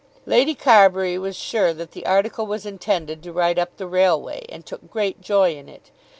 Lady Carbury was sure that the article was intended to write up the railway, and took great joy in it.